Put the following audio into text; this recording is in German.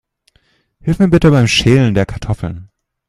Hilf mir bitte beim Schälen der Kartoffeln.